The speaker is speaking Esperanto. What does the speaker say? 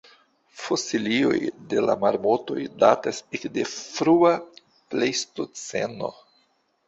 Fosilioj de la marmotoj datas ekde frua plejstoceno.